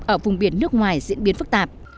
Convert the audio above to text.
ở vùng biển nước ngoài diễn biến phức tạp